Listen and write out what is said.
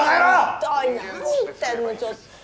ひどい何言ってんのちょっと。